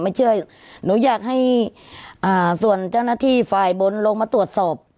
ไม่เชื่อหนูอยากให้อ่าส่วนเจ้าหน้าที่ฝ่ายบนลงมาตรวจสอบ